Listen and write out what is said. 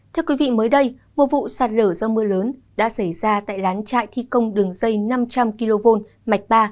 thưa quý vị mới đây một vụ sạt lở do mưa lớn đã xảy ra tại lán trại thi công đường dây năm trăm linh kv mạch ba